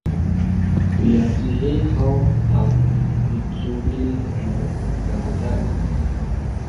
piazihi haw a muculil i zazan